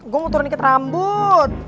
gue mau turun dikit rambut